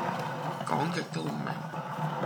講極都唔明